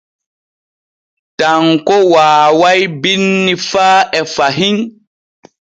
Tanko waaway binni faa e fahin.